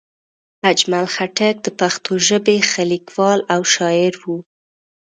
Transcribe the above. اجمل خټک د پښتو ژبې ښه لیکوال او شاعر وو